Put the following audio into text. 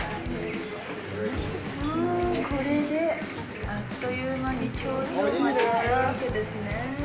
ウゥ、これで、あっという間に頂上まで行けるわけですねぇ。